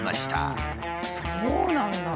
そうなんだ！